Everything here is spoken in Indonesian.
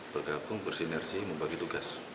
bergabung bersinersi membagi tugas